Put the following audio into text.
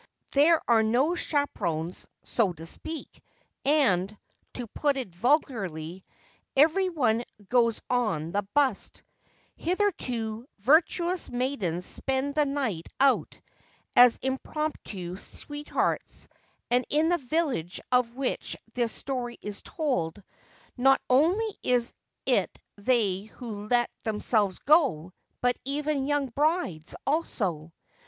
There are no chaperons (so to speak), and (to put it vulgarly) every one ' goes on the bust '! Hitherto virtuous maidens spend the night out as 261 Ancient Tales and Folklore of Japan impromptu sweethearts ; and, in the village of which this story is told, not only is it they who let themselves go, but even young brides also.